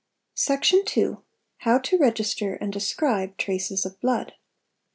Section iiiHow to register and describe traces of blood.